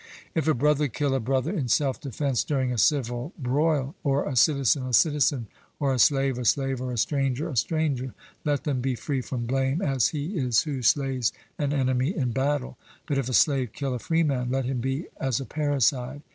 If a brother kill a brother in self defence during a civil broil, or a citizen a citizen, or a slave a slave, or a stranger a stranger, let them be free from blame, as he is who slays an enemy in battle. But if a slave kill a freeman, let him be as a parricide.